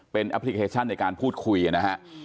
เป็นแอปพลิเคชันในการพูดคุยนะฮะ